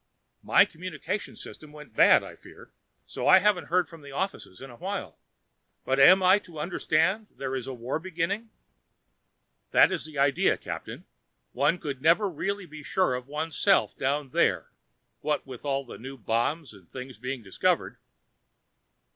"My communication system went bad, I fear, so I haven't heard from the offices in some while but, I am to understand there is a war beginning? That is the idea, Captain; one could never really be sure of one's self down there, what with all the new bombs and things being discovered."